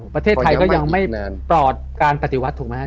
ประเทศไทยก็ยังไม่ปลอดการปฏิวัติถูกไหมครับ